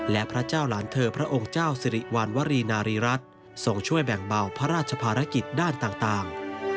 และพระเจ้าหลานเธอพระองค์เจ้าสิริวัณวรีนารีรัฐทรงช่วยแบ่งเบาพระราชภารกิจด้านต่าง